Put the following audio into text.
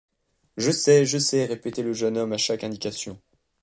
Je sais, je sais, répétait le jeune homme à chaque indication.